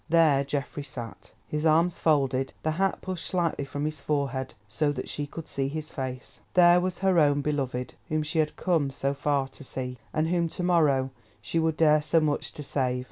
There Geoffrey sat, his arms folded—the hat pushed slightly from his forehead, so that she could see his face. There was her own beloved, whom she had come so far to see, and whom to morrow she would dare so much to save.